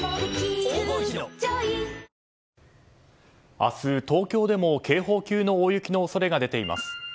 明日、東京でも警報級の大雪の恐れが出ています。